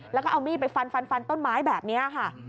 แล้วก็เอามีดไปฟันฟันต้นไม้แบบนี้ค่ะ